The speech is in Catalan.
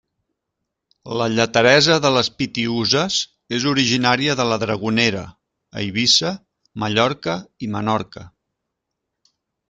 La lleteresa de les Pitiüses és originària de la Dragonera, Eivissa, Mallorca i Menorca.